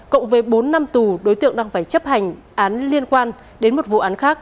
cộng với bốn năm tù đối tượng đang phải chấp hành án liên quan đến một vụ án khác